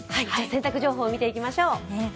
洗濯情報見ていきましょう。